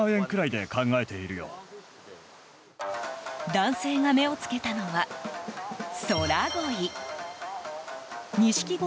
男性が目を付けたのは空鯉。